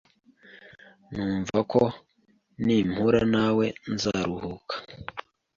numva ko nimpura nawe nzaruhuka